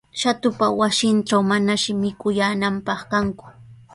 Shatupa wasintraw manashi mikuyaananpaq kanku.